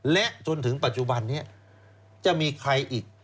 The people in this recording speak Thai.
และจนถึงปัจจุบันนี้จะมีใครอีก